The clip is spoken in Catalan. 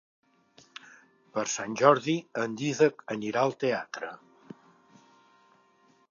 Per Sant Jordi en Dídac anirà al teatre.